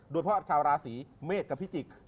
โดดเพราะชาวราศรีเมฆกับพิจิก